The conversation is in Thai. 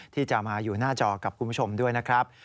ที่จะมาอยู่หน้าจอกับคุณผู้ชมด้วยนะครับ